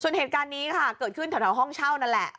ส่วนเหตุการณ์นี้ค่ะเกิดขึ้นแถวห้องเช่านั่นแหละ